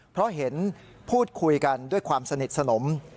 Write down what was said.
เพราะเห็นพูดคุยกันด้วยความสนิทสนม